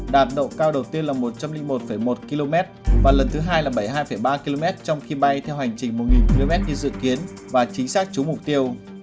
đạt độ cao đầu tiên là một trăm linh một một km và lần thứ hai là bảy mươi hai ba km trong khi bay theo hành trình một km như dự kiến và chính xác trúng mục tiêu